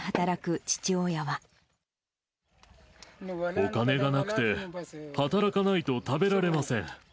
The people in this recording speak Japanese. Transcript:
お金がなくて、働かないと食べられません。